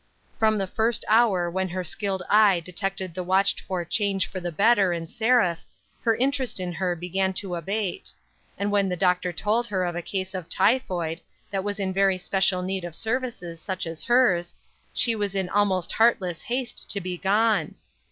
From the first hour when her skilled eye detected the watched for change for the better in Seraph, her interest in her began to abate ; and when the doctor told her of a case of typhoid, that was in very special need of services such as hers, she was in almost heartless haste to be gone.